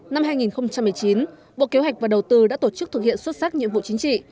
năm hai nghìn một mươi chín bộ kế hoạch và đầu tư đã tổ chức thực hiện xuất sắc nhiệm vụ chính trị